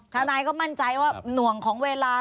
ทนายก็มั่นใจว่าหน่วงของเวลา